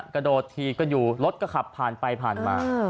กระโดดถีบกันอยู่รถก็ขับผ่านไปผ่านมา